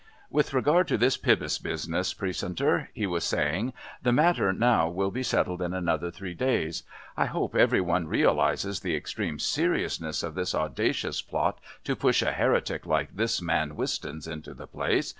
"With regard to this Pybus business, Precentor," he was saying, "the matter now will be settled in another three days. I hope every one realises the extreme seriousness of this audacious plot to push a heretic like this man Wistons into the place.